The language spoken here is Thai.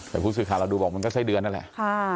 แต่ผู้สื่อข่าวเราดูบอกมันก็ไส้เดือนนั่นแหละ